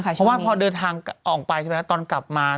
เพราะว่าพอเดินทางออกไปใช่ไหมตอนกลับมา